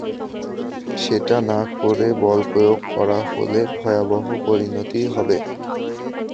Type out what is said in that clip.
সেটা না করে বলপ্রয়োগ করা হলে ভয়াবহ পরিণতি হবে।